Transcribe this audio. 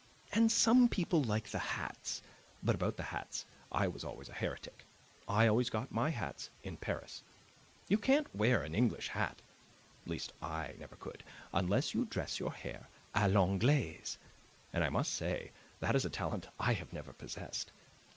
And some people like the hats; but about the hats I was always a heretic; I always got my hats in Paris. You can't wear an English hat at least I never could unless you dress your hair a l'Anglaise; and I must say that is a talent I have never possessed.